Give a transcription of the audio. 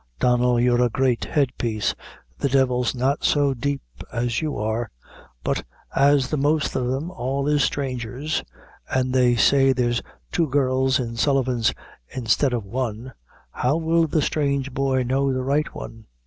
"Donnel, you're a great headpiece the divil's not so deep as you are; but as the most of them all is strangers, an' they say there's two girls in Sullivan's instead o' one, how will the strange boys know the right one?"